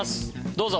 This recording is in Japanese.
どうぞ！